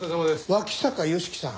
脇坂芳樹さん。